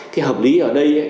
thì hợp lý ở đây